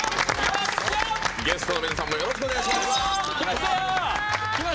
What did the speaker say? ゲストの皆さんもよろしくお願いします！